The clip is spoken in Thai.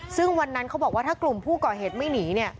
ซึ่งวันนั้นเขาบอกว่าถ้ากลุ่มผู้ก่อเหตุไม่หนี